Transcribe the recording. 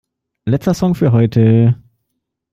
Letzter Song für heute!